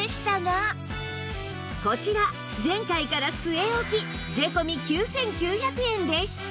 こちら前回から据え置き税込９９００円です